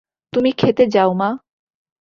তুমি খেতে যাও মা!